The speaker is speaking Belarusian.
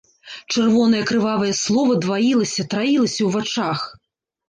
Чырвонае крывавае слова дваілася, траілася ў вачах.